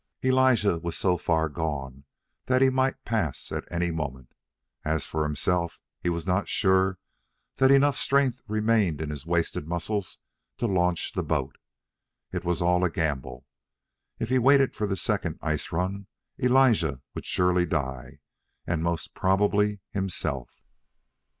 Elijah was so far gone that he might pass at any moment. As for himself, he was not sure that enough strength remained in his wasted muscles to launch the boat. It was all a gamble. If he waited for the second ice run, Elijah would surely die, and most probably himself.